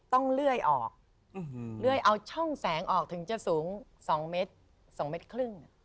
เลื่อยออกเลื่อยเอาช่องแสงออกถึงจะสูง๒เมตร๒เมตรครึ่ง